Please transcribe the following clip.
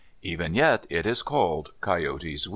Even yet it is called "Coyote's Weir."